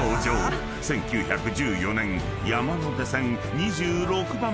［１９１４年山手線２６番目に開業した］